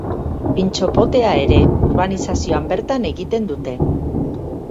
Pintxo-potea ere, urbanizazioan bertan egiten dute.